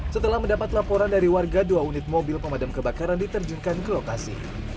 setelah mendapat laporan dari warga dua unit mobil pemadam kebakaran diterjunkan ke lokasi